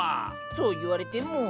そう言われても。